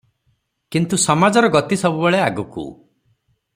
କିନ୍ତୁ ସମାଜର ଗତି ସବୁବେଳେ ଆଗକୁ ।